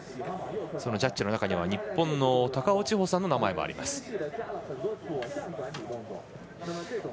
そのジャッジの中には日本の高尾千穂さんの名前もあります。